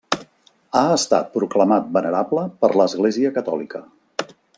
Ha estat proclamat venerable per l'Església Catòlica.